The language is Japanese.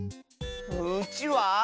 うちわ？